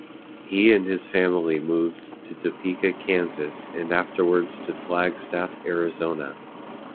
He and his family moved to Topeka, Kansas, and afterwards to Flagstaff, Arizona.